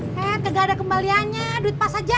eh gak ada kembaliannya duit pas saja